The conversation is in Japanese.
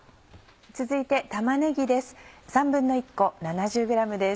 続いて玉ねぎです。